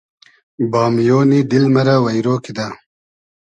بامیۉنی دیل مۂ رۂ وݷرۉ کیدۂ